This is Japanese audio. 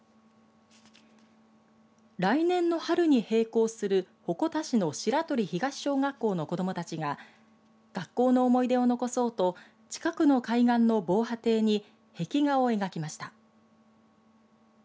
来年の春に閉校する鉾田市の白鳥東小学校の子どもたちが学校の思い出を残そうと近くの海岸の防波堤に壁画を描きました。